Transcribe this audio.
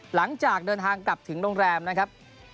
หลังจากเดินทางกลับถึงโรงแรมนะครับ